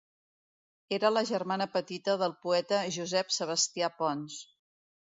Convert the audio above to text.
Era la germana petita del poeta Josep Sebastià Pons.